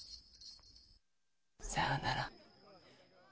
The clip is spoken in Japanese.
「」さよなら。